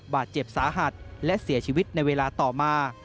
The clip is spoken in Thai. บาดเจ็บสาหัสและเสียชีวิตในเวลาต่อมา